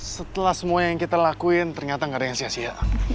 setelah semua yang kita lakuin ternyata gak ada yang sia sia